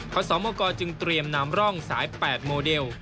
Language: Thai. เพราะฉะนั้นคอสอมโมกอจึงเตรียมนามร่องสาย๘โมเดล